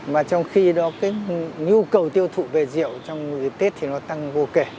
mà trong khi đó cái nhu cầu tiêu thụ về rượu trong dịp tết thì nó tăng vô kể